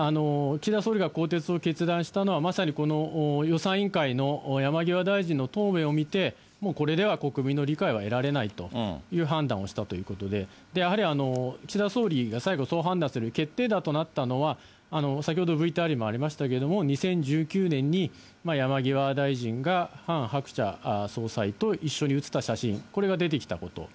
岸田総理が更迭を決断したのは、まさにこの予算委員会の山際大臣の答弁を見て、もうこれでは国民の理解は得られないという判断をしたということで、やはり岸田総理が最後、そう判断する決定打となったのは、先ほどＶＴＲにもありましたけれども、２０１９年に山際大臣がハン・ハクチャ総裁と一緒に写った写真、これが出てきたこと。